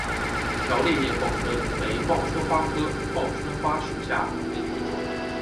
条裂叶报春为报春花科报春花属下的一个种。